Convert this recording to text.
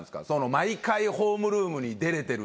毎回ホームルームに出れてる自分が。